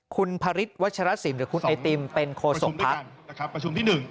คุณพระฤทธิ์วัชรสินทรหรือคุณไอติมเป็นโคสกภัศน์